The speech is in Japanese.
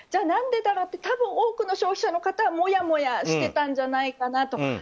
何でだろうって多分、多くの消費者の方はもやもやしていたんじゃないかなと。